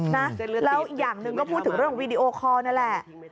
นะแล้วอีกอย่างหนึ่งก็พูดถึงเรื่องวีดีโอคอร์นั่นแหละ